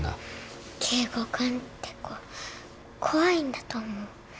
圭吾君って子怖いんだと思う